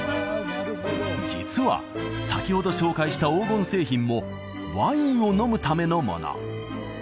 実は先ほど紹介した黄金製品もワインを飲むためのもの